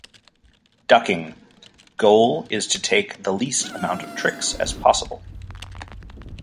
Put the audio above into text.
"Ducking": Goal is to take the least amount of tricks as possible.